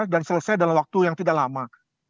dan selesai dalam waktu yang tidak lama